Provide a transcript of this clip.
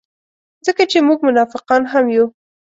ځکه چې موږ منافقان هم یو.